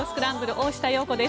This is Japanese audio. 大下容子です。